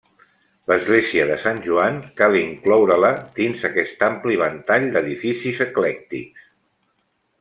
L'església de Sant Joan cal incloure-la dins aquest ampli ventall d'edificis eclèctics.